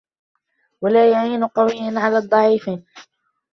وَلَا يُعِينَ قَوِيًّا عَلَى ضَعِيفٍ